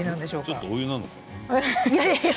ちょっとお湯なのかな。